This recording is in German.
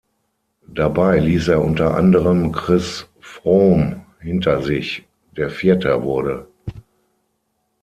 Dabei ließ er unter anderem Chris Froome hinter sich, der Vierter wurde.